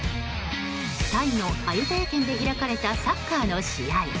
タイのアユタヤ県で開かれたサッカーの試合。